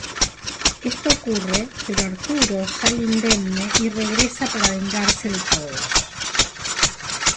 Esto ocurre pero Arturo sale indemne y regresa para vengarse de todos.